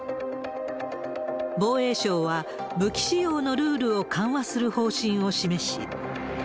防衛省は、武器使用のルールを緩和する方針を示し。